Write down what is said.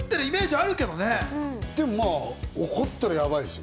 怒ったらやばいですよ。